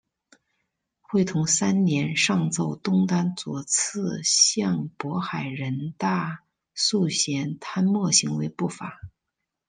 会同三年上奏东丹左次相渤海人大素贤贪墨行为不法。